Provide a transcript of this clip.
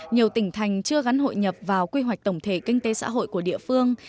nhiều tỉnh thành chưa gắn hội nhập vào quy hoạch tổng thể kinh tế xã hội của địa phương